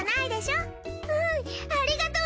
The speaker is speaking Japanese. うんありがとう